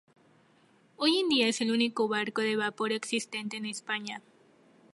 Hoy en día es el único barco de vapor existente en España.